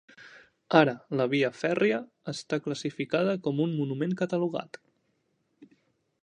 Ara la via fèrria està classificada com un monument catalogat.